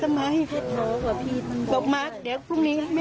โทษครับพี่บอกมาเดี๋ยวพรุ่งนี้